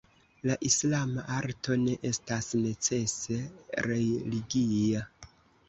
La islama arto ne estas necese religia.